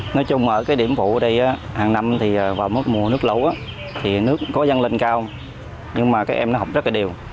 nói chung ở cái điểm vụ ở đây hàng năm thì vào mùa nước lấu thì nước có dăng lên cao nhưng mà các em nó học rất là đều